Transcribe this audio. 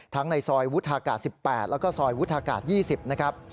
ในซอยวุฒากาศ๑๘แล้วก็ซอยวุฒากาศ๒๐นะครับ